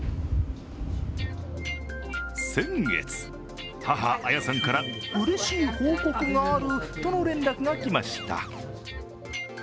先月、母・綾さんからうれしい報告があるとの連絡がきました。